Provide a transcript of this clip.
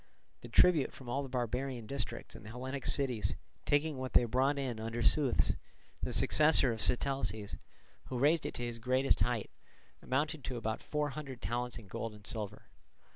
The tribute from all the barbarian districts and the Hellenic cities, taking what they brought in under Seuthes, the successor of Sitalces, who raised it to its greatest height, amounted to about four hundred talents in gold and silver.